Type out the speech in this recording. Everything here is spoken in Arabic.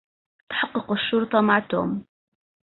تحقق الشرطة مع توم